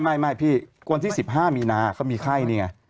ไม่พี่วันที่๑๕มีนาเขามีไข้นี่ไง